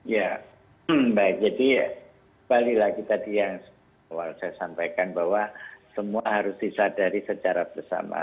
ya baik jadi balik lagi tadi yang awal saya sampaikan bahwa semua harus disadari secara bersama